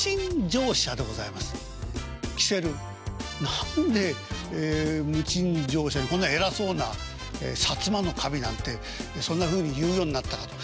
何で無賃乗車でこんな偉そうな摩守なんてそんなふうに言うようになったかと。